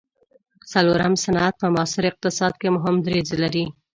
څلورم صنعت په معاصر اقتصاد کې مهم دریځ لري.